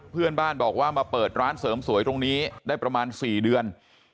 เพื่อนบ้านบอกว่ามาเปิดร้านเสริมสวยตรงนี้ได้ประมาณ๔เดือน